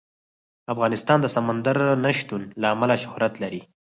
افغانستان د سمندر نه شتون له امله شهرت لري.